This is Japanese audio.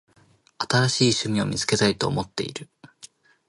新しい趣味を見つけたいと思っている。